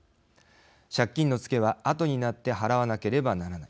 借金のツケは、後になって払わなければならない。